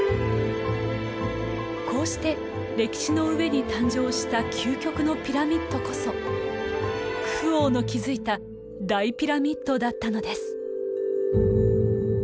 こうして歴史の上に誕生した究極のピラミッドこそクフ王の築いた大ピラミッドだったのです。